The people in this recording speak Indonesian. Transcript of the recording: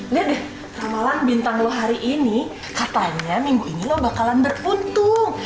lihat deh ramalan bintang lo hari ini katanya minggu ini lo bakalan beruntung